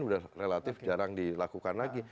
sudah relatif jarang dilakukan lagi